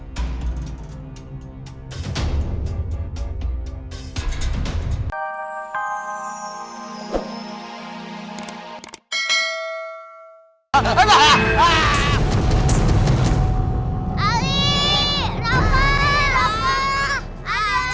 tidak ada yang bisa dihapuskan